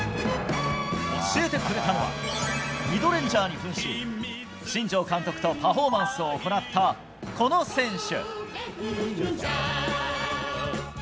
教えてくれたのはミドレンジャーに扮し新庄監督とパフォーマンスを行った、この選手。